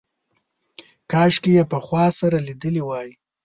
کاشکې یې پخوا سره لیدلي وای.